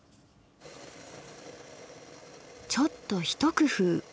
ちょっとひと工夫。